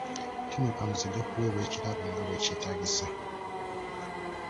Ttiimu empanguzi ejja kuweebwa ekirabo nga bwekyetaagisa.